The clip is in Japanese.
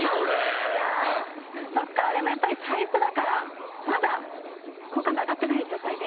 でもやっぱり最初だからまだ好感度上がってない状態で。